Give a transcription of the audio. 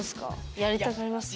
やりたくなります？